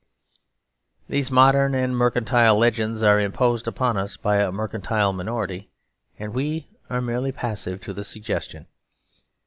These modern and mercantile legends are imposed upon us by a mercantile minority, and we are merely passive to the suggestion.